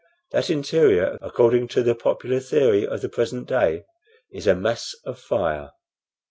That interior, according to the popular theory of the present day is a mass of fire.